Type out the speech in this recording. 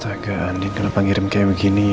taga andien kenapa ngirim kayak beginian sih